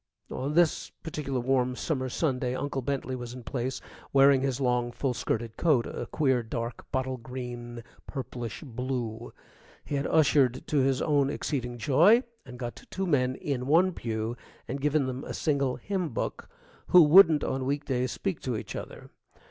On this particular warm summer Sunday Uncle Bentley was in place wearing his long, full skirted coat, a queer, dark, bottle green, purplish blue. He had ushered to his own exceeding joy, and got two men in one pew, and given them a single hymn book, who wouldn't on week days speak to each other.